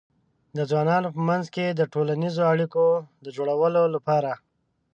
د ځوانانو په منځ کې د ټولنیزو اړیکو د جوړولو لپاره